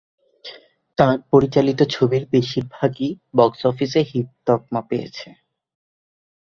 তার পরিচালিত ছবির বেশিরভাগই বক্স অফিসে হিট' তকমা পেয়েছে।